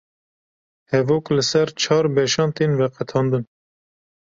hevok li ser çar beşan tên veqetandin